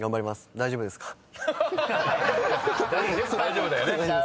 大丈夫だよね。